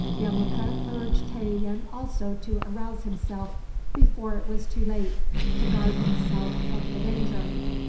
Yemuka urged Tayian also to arouse himself, before it was too late, to guard himself from the danger.